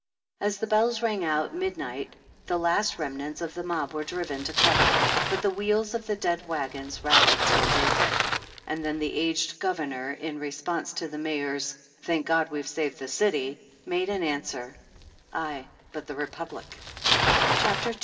As the bells rang out midnight, the last remnants of the mob were driven to cover, but the wheels of the dead wagons rattled till daybreak. And then the aged Governor, in response to the Mayor's "Thank God, we've saved the city!" made answer : "Aye, but the Republic n CHAPTER 11.